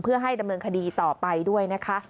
เพื่อให้ดำเนินคดีต่อไปด้วยนะคะ